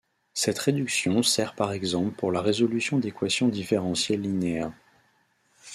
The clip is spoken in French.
Cette réduction sert par exemple pour la résolution d'équations différentielles linéaires.